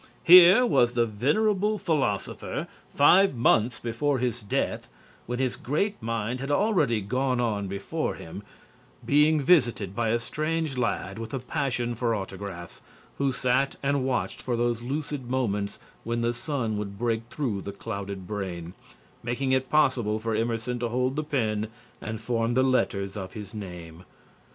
Here was the venerable philosopher, five months before his death, when his great mind had already gone on before him, being visited by a strange lad with a passion for autographs, who sat and watched for those lucid moments when then sun would break through the clouded brain, making it possible for Emerson to hold the pen and form the letters of his name.